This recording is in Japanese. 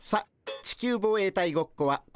ち地球防衛隊ごっこ？